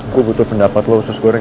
gue butuh pendapat lo sus goreng